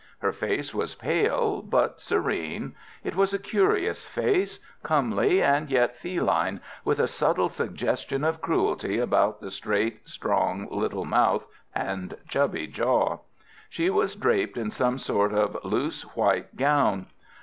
Her face was pale, but serene. It was a curious face, comely and yet feline, with a subtle suggestion of cruelty about the straight, strong little mouth and chubby jaw. She was draped in some sort of loose white gown.